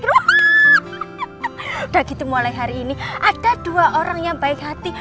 udah gitu mulai hari ini ada dua orang yang baik hati